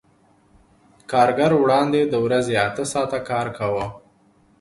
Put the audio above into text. کارګر وړاندې د ورځې اته ساعته کار کاوه